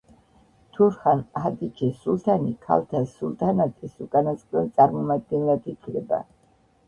თურჰან ჰატიჯე სულთანი ქალთა სულთანატის უკანასკნელ წარმომადგენელად ითვლება.